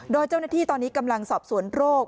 โดยเจ้าหน้าที่ตอนนี้กำลังสอบสวนโรค